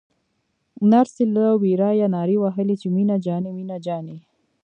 نرسې له ورايه نارې وهلې چې مينه جانې مينه جانې.